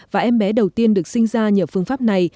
và em bé đầu tiên được sinh ra nhờ phương pháp này